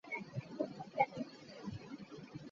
Omusajja atudde ku ntebe ye mugole.